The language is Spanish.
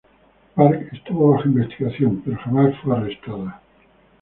Park estuvo bajo investigación pero jamás fue arrestada.